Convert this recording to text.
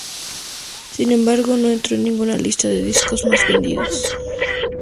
Sin embargo, no entró en ninguna lista de discos más vendidos.